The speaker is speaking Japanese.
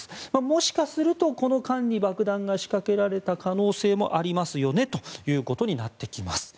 もしかするとこの間に爆弾が仕掛けられた可能性もありますよねということになってきます。